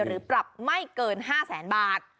หรือปรับไม่เกิน๕แสนบาท